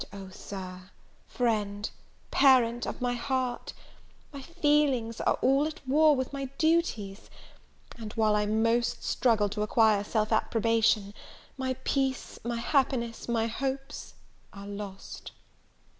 Yet, Oh Sir, friend, parent, of my heart! my feelings are all at war with my duties! and, while I most struggle to acquire self approbation, my peace, my happiness, my hopes, are lost!